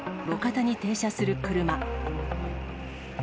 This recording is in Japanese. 路肩に停車する車。